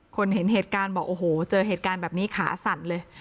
เห็นเหตุการณ์บอกโอ้โหเจอเหตุการณ์แบบนี้ขาสั่นเลย